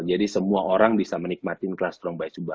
jadi semua orang bisa menikmati kelas strong by sumba